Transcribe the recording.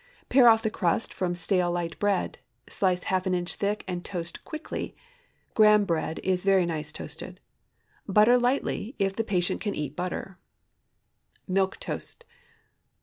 Pare off the crust from stale light bread; slice half an inch thick and toast quickly. Graham bread is very nice toasted. Butter lightly if the patient can eat butter. MILK TOAST.